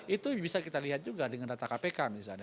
itu bisa kita lihat juga dengan data kpk misalnya